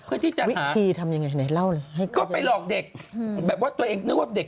เพื่อที่จะหาก็ไปหลอกเด็กแบบว่าตัวเองนึกว่าเด็ก